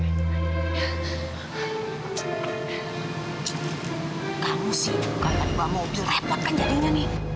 kamu sih bukan bawa mobil repot kan jadinya nih